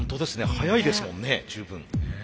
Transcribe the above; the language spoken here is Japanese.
速いですもんね十分。